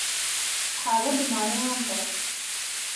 Tḥerr-d Mari amḍiq.